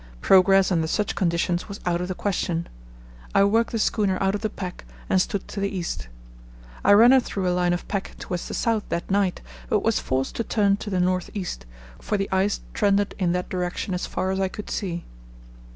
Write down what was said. Progress under such conditions was out of the question. I worked the schooner out of the pack and stood to the east. I ran her through a line of pack towards the south that night, but was forced to turn to the north east, for the ice trended in that direction as far as I could see.